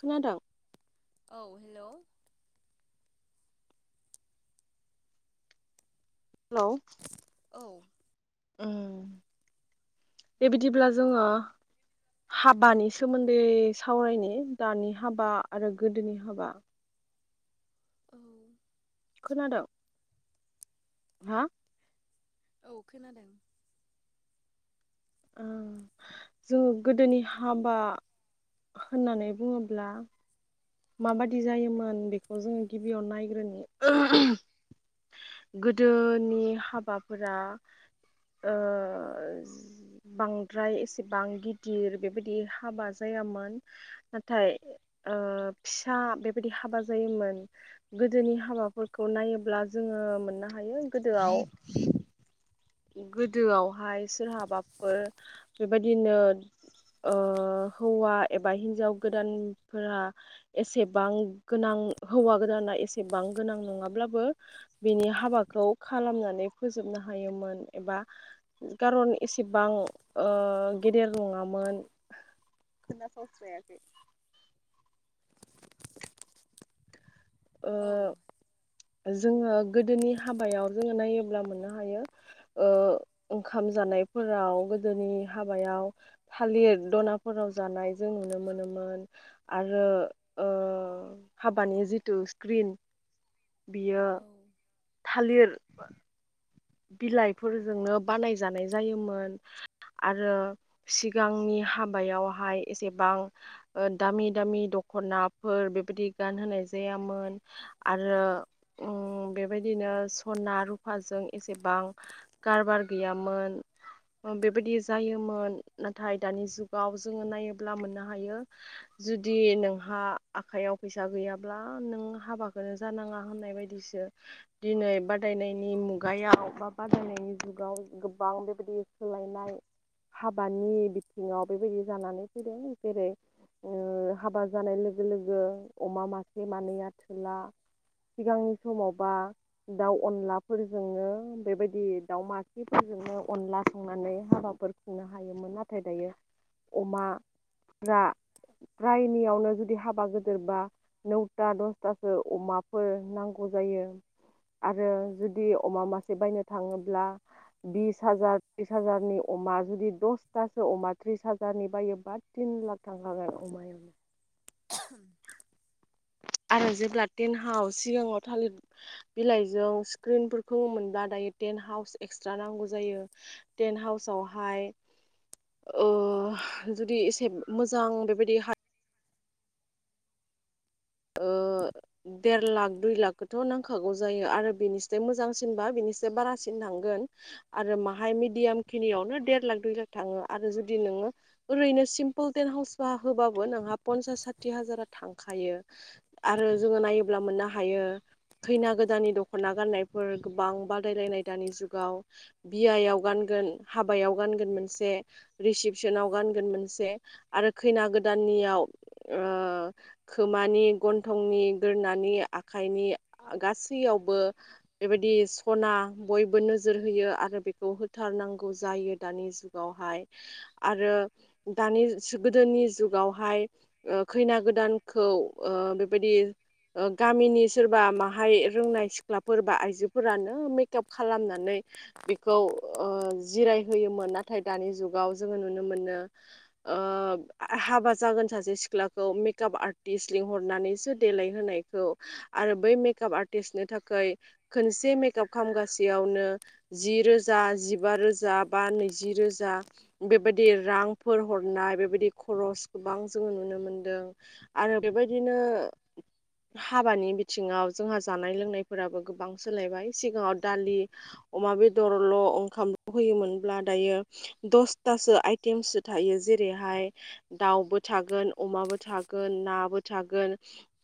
खोनादों? औ hello. Hello. औ ओम बेबिदिब्ला जोङो हाबानि सोमोन्दै सावरायनि दानि हाबा आरो गोदोनि हाबा औ खोनादों? हा? औ खोनादों। ओ जोङो गोदोनि हाबा होननानै बुङोब्ला माबादि जायोमोन बेखौ जोङो गिबियाव नायग्रोनि गोदोनि हाबाफोरा ओ बांद्राय एसेबां गिदिर बेबायदि हाबा जाय यामोन नाथाय ओ फिसा बेबायदि हाबा जायोमोन गोदोनि हाबाफोरखौ नायोब्ला जोङो मोननो हाय यो गोदोआव [inaudible] गोदोआवहाय सोरहाबाफोर बेबायदिनो ओ हौवा एबा हिन्जाव गोदानफोरा एसेबां गोनां उम हौवा गोदाना एसेबां गोनां नङाब्लाबो बिनि हाबाखौ खालामनानै फोजोब नो हायोमोन। एबा कारन एसेबां ओ गेदेर नङामोन। खोनाफावथ्रायाखै। ओ औ जोङो गोदोनि हाबायाव जोङो नायोब्ला मोननो हायो ओ ओंखाम जानाय फोराव गोदोनि हाबायाव थालिर दनाफोराव जानाय जों नुनो मोनोमोन। आरो ओ हाबानि जि तु स्क्रिन बियो औ थालिर बिलाइफोरजोंनो बानायजानाय जायोमोन। आरो सिगांनि हाबायावहाय एसेबां ओ दामि दामि दख खनाफोर बेबायदि गानहाय जायामोन आरो ओम बेबायदिनो नो सना रुफाजों एसेबां कारबार गैयामोन। ओ बेबायदि जायोमोन नाथाय दानि जुगाव जोङो नायोब्ला मोननो हायो जुदि नोंहा आखाइयाव फैसा गैयाब्ला नों हाबाखौनो जानाङा होननाय बायदिसो। दिनै बादायनायनि मुग गायाव बा बादायनायनि जुगाव गोबां बेबायदि सोलायनाय हाबानि बिथिङाव बेबायदि जानानै फैदों जेरै ओम हाबा जानाय लोगो लोगो अमा मासे मानैया थोला। सिगांनि समाव बा दाउ अनलाफोर [inaudible] बेबायदि दावमासेफोरजोंनो अनला संनानै हाबाफोर खुंनो हायोमोन नाथाय दायो अमाफोरा रायनियावनो जुदि हाबा गेदेर बा नौथा दसथासो अमाफोर नांगौ जायो आरो जु दि अमा मासे बायनो थाङोब्ला बिस हाजार त्रिस हाजारनि अमा जुदि दस तासो अमा थ्रिस हाजारनि बायोबा तिन लाख थांखागोन अमायावनो। [inaudible] आरो जेब्ला टेन हाउस सिगाङाव थालिर बिलाइजों क्रिनफोरखौ मोनब्ला दायो टेन हाउस एक्सट्रा नांगौ जायो टेन हाउसावहाय ओ जुदि एसे मोजां बेबायदि ओ देर लाख दुइ लाखखौथ' नांखागौ जायो आरो बिनिस मोजांसिनबा बिनि सो बारासिन थांगोन आरो माहाय मिदियाम खिनियावनो देर लाख दुइ लाख थांङो आरो जुदि नों ङो ओरैनो सिम्पोल टेन हाउस होबाबो नोंहा पन्सास साथि हाजारा थांखायो। आरो जोङो नायोब्ला मोननो हायो। खैना गोदाननि दख'ना गाननायफोर गोबां बादायलायनाय दानि जुगाव बियायाव गान गोन हाबायाव गानोन मोनसे रिसिपसनाव गानोन मोनसे आरो खैना गोदान नियाव ओ अमानि गन्थंनि गोदोनानि आखाइनि गासैयावबो बेबायदि सना बयबो नोजोर होयो आरो बेखौ होथारनांगौ जायो दानि जुगावहाय आरो दानि गोदोनि जुगावहाय खैना गोदान खौ ओ बेबायदि गामिनि सोरबा माहाय रोंनाय सिख्लाफोर बा आइजोफोरानो मेकाप खालामनानै बेखौ ओ जिरायहोयोमोन नाथाय दानि जुगाव जोंङो नुनो मोनो। ओ हाबा जागोन सासे सिख्लाखौ मेकआप आर्ट आरटिस लिंहरनानैसो देलायहोनायखौ आरो बै मेकप आर्टिस्टनो थाखाय खोन से मेकआप खालामामगासेयावनो जि रोजा जिबा रोजा बा नैजि रोजा बेबायदि रांफोर हरनाय बेबायदि खरस गोबां जोंङो नुनो मोनदों आरो बेबायदिनो हाबानि बिथिङाव जोंहा जानाय लोंनायफोराबो गोबां सोलायबाय सिगाङाव दालि अमा बेदरल' ओंखामल' होयोमोनब्ला दायो दसथासो आइटेमसो थायो जे रैहाय दाउबो थागोन अमाबो था गोन नाबो थागोन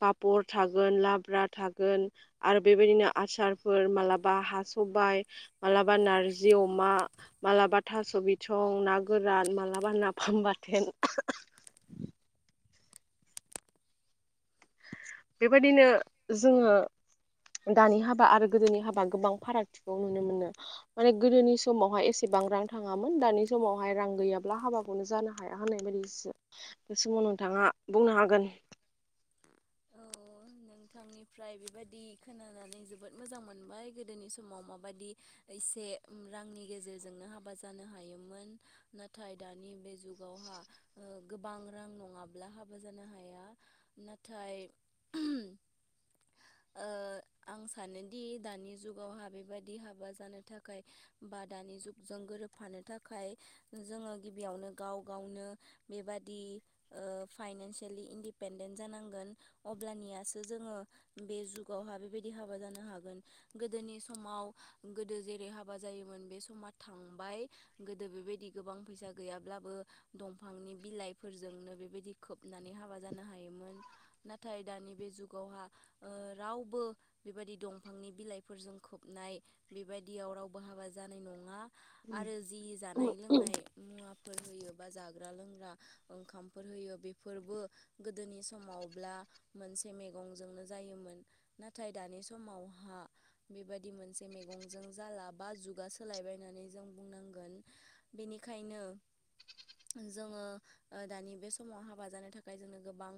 पापर थागोन लाब्रा थागोन आरो बेबायदिनो आ सारफोर हा सबाय मालाबा नारजि अमा थास बिसं ना गोरान मालाबा नाफाम बाथोन औ बेबायदिनो जोंङो दानि हाबा आरो गोदोनि हाबा गोबां फारागथिखौ नुनो मोनो माने गोदोनि समावहाय एसे बां रां थाङांमोन दानि समावहाय रां गैयाब्ला हाबाखौनो जानो हाया होननाय बायदिसो नोंथांङा बुंनो हागोन औ औ नोंथांनिफ्राय बेबायादि खोनानानै जोबोद मोजां मोनबाय गोदोनि समाव माबादि एसे रांनि गेजेरजोंनो हाबा जानो हायोमोन नाथाय दानि बे जुगावहाव गोबां रां नंङाब्ला हाबा जानो हाया नाथाय औ आं सानोदि दानि जुगावहा बेबायाददि हाबा जानो थाखाय बा दानि जुगजों गोरोबफानो थाखाय जोंङो गिबियावनो गाव गावनो बेबादि फाइनान्सियेलि इनडिपेडेन्ट जानांगौ अब्ला नि आसो जोंङो बेबादि हाबा जानो हागोन गोदोनि समाव समाव गोदो जेरै हाबा जायोमोन बे समा थांबाय गोदो बेबायदि गोबां फैसा ज गैयाब्लाबो दंफांनि बिलाइफोरजोंनो बेबायदि खोबनानै हाबा जानो हायोमोन नाथाय दानि बे जुगावहा रावबो बेबायि दंफांनि बिलाइफोरजों खोबनाय बेबायदियाव रावबो हाबा जानाय नंङा आरो जि जानाय लोंनाय मुवा फोर होयो बा जाग्रा लोंग्रा ओंखामफोर होयो बेफोरबो गोदोनि समावब्ला मोनसे मैगंजोंनो जायोमोन नाथाय दानि समावहा बेबायदि मोनसे मैगंजों जाला बा जुगा सोलायबायनानै जों बुंनांगोन बेनिखायनो बेखायनो जोंङो दानि बे समाव हाबा जानो थाखाय जोंनो गोबां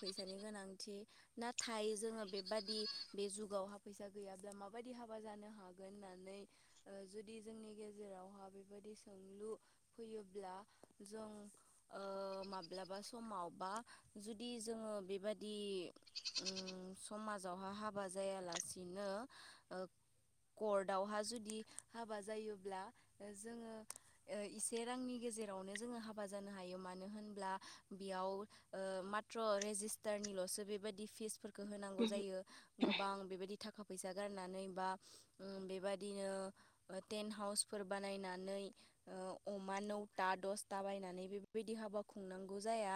फैसानि गोनांथि नाथाय जोंङो बेबादि बे जुगावहा फैसा गैयाब्ला म माबायदि हाबा जानो हागोन होननानै जुदि जोंनि गेजेरावहा बेबायदि सोंलु फैयोब्ला जों माब्लाबा समाव बा जुदि दि जोंङो बेबायाददि समाजावहा हाबा जायालासिनो कर्टआवहा जुदि हाबा जायोब्ला जोंङो एसे रांनि गेजेराव जेरावनो जोंङो हाबा जानो हायो मानो होनब्ला बेयाव माध्र रेजिस्टारनिल'सो बेबायदि फिसफोरखौ होनांगौ जायो गोबां बेबायदि थाखा फैसा गारनानै बा ओम बेबदिनो टेन्ट हाउसफोर बानायनानै। ओ अमा नोवता दसता बायनानै बिफोर बायदि हाबा खुंनांगौ जाया।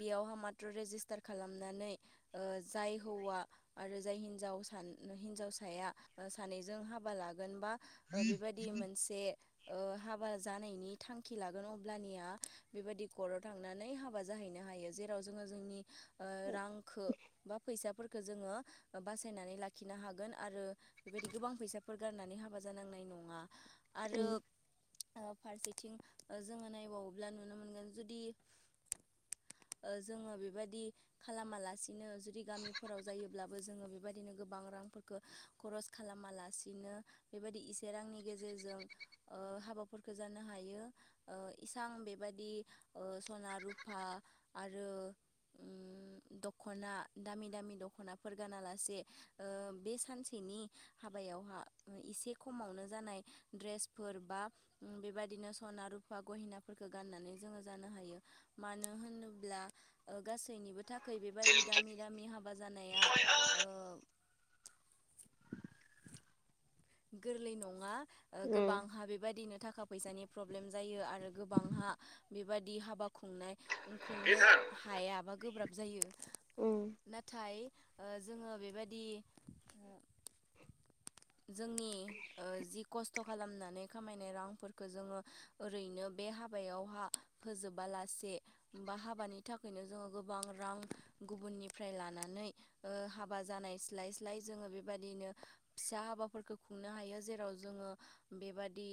बेयाव हामा। रेजिस्टार खालामनानै ओ जाय हौवा आरो जाय हिनजाव सानैनि हिनजावसा। थाया सानैजों हाबा लागोनबा ओ बेबायदि मोनसे ओ। हाबा जानायनि थांखि लागोन अब्लानिया बेबायदि खरआव थांनानै हाबा जाहैनो हायो जेराव। जोङो जोंनि रांखो बा फैसाफोरखौ जोङो ओ बासायनानै लाखिनो हागोन। आरो बेबायदि गोबां फैसाफोर गारनानै हाबा जानांनाय नङा आरो। ओ फारसेथिं ओ जोङो नायबावोब्ला नुनो मोनगोन जुदि। ओ जोङो बेबायदि खालामालासिनो जुदि गामिफोराव जायोब्लाबो जोङो बे। बेबायदिनो गोबां रांफोरखौ खरस खालामालासिनो बेबायदि इसे रांनि गेजेरजों। ओ हाबाफोरखौ जानो हायो ओ इसां बेबादि ओ सना रुफा। आ। आरो दख'ना दामि दामि दख'नाफोर गानालासे ओ। ओ बे सानसेनि हाबायावहा एसे खमावनो जानाय ड्रेसफोर बा। ओ बेबायदिनो सना रुफा गहिनाफोरखौ गाननानै जोङो जानो हायो मानो होनोब्ला। ब्लाओ। गासैनिबो थाखाय बेबादि दामि दामि हाबा जानायाओ। गोरलै नङा ओ गोबांहा बेबायदिनो थाखाय। थाखा फैसानि प्रब्लेम जायो आरो गोबांहा बेबादि हाबा खुंनाय। खुंनो हायाबा गोब्राब जायो नाथाय। ओ जोङो बेबादि। जोंनि ओ जि खस्थ'। खस्थ' खालामनानै खामायनाय रांफोरखौ जोङो ओरैनो बे हाबायावहा फोजोबालासे। से बा हाबानि थाखायनो जोङो गोबां रां गुबुननिफ्राय लानानै ओ। हाबा जानाय स्लाय स्लाय जोङो बेबायदिनो। फिसा हाबाफोरफोरखौ खुंनो हायो जेराव जोङो बेबादि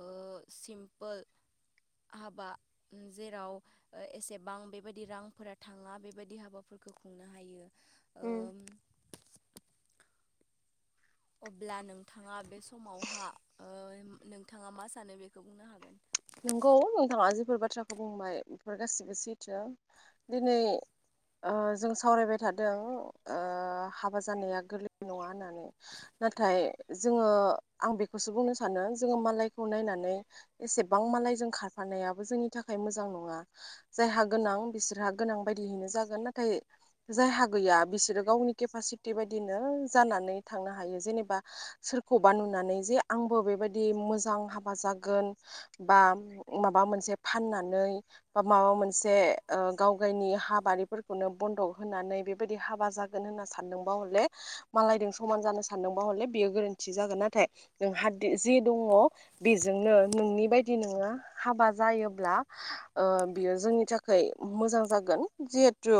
ओ सिमपोल। [inaudible] हाबा जेराव ओ एसेबां बेबायदि रांफोरा थाङा बेबायदि हाबाफोरा। फोरखौ खुंनो हायो। उम। ओम अब्ला नोंथाङा बे समावहा ओ नोंथाङा मा सानो बेखौ बुंनो हागोन। नंगौ नोंथाङा जिफोर बाथ्राखौ बुंबाय बेफोर गासिबो सैथो दिनै। ओ जों सावरायबाय थादों ओ हाबा जानाया गोरलै नङा होननानै। नाथाय जोङो आं बेखौसो बुंनो सानो जोंङो मालायखौ नायनानै एसे। गोबां मालायजों खारफानायाबो जोंनि थाखाय मोजां नङा जायहा गोनां बिसोरहा गोनां बायदियैनो। जागोन नाथाय जायहा गैया बिसोरो गावनि केपासिटि बायदिनो जानानै थांनो हायो। जेनेबा सोरखौबा नुनानै जे आंबो बेबायदि मोजां हाबा जागोन। बा माबा मोनसे फाननानै बा माबा मोनसे गाव ओ गावगायनि हाबा। बेफोर बनदख होननानै बेबादि हाबा जागोन होन्ना सानदोंब्ला हले मालायजों समान सान्दोंबा हले बेयो गोरोन्थि जागोन नाथाय नोंहा जि दङ बेजोंनो नोंनि बाय। जुदि नोंङा हाबा जायोब्ला ओ बियो जोंनि थाखाय मोजां जागोन। खेत्र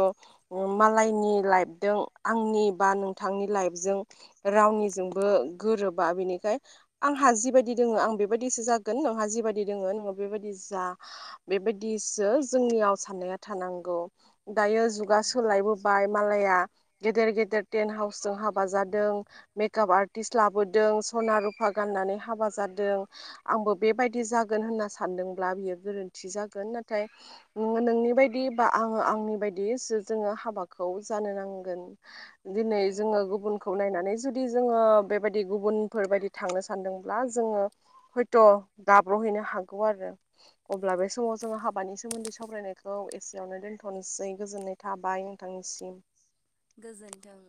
ओम मालयनि लाइदों आंनि बा नोंथांनि लाइजों रां। रावनिजोंबो गोरोबा बेनिखाय आंहा जिबाय दोंङो आं बेबायसो जागोन नोंहा। दिङो न'आव बेबायदि जा बेबायदिसो जोंनियाव साननाया थानांगौ। दायो औ जुगा सोलायबोबाय मालाया। गेदेर गेदेर टेन्ट हाउसजों हाबा जादों मेकाप आरटिर्स्ट लाबोदों सना रुफा गाननानै। नानै हाबा जादों आंबो बेबायदि जा गोन होनना सान्दोंब्ला बियो गोरोन्थि जागोन नाथाय नोङो नोंनि बायदि बा आंङो आंनि बायदि। दिसो जोंङो हाबाखौ जानो नांगोन दिनै औ जोंङो गुबुन नायनानै। जुदि जोंङो बेबायदि गुबुनफोरबायायदि थांनो सानदोंब्ला जोंङो हयथ'। जब्र'हैनो हागौ आरो अब्ला बे समाव जोंङो हाबानि सोमोन्दै सावरायनायखौ एसेयावनो दोनथ'नो। लाासै गोजोननै थाबाय नोंथांनिसिम। गोजोन्थों।